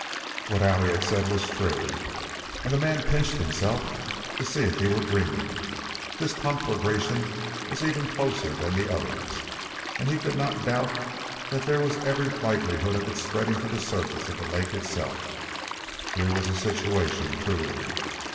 What Allie had said was true, and the man pinched himself to see if he were dreaming. This conflagration was even closer than the others, and he could not doubt that there was every likelihood of its spreading to the surface of the lake itself. Here was a situation, truly.